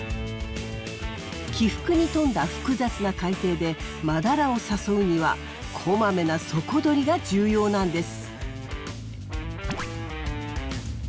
起伏に富んだ複雑な海底でマダラを誘うにはこまめな「底取り」が重要なんです！